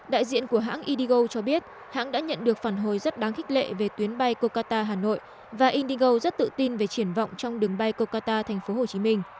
đại diện của hãng indigo cho biết hãng đã nhận được phản hồi rất đáng khích lệ về tuyến bay concata hà nội và indigo rất tự tin về triển vọng trong đường bay concata tp hcm